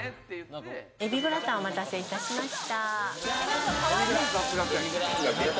海老グラタン、お待たせいたしました。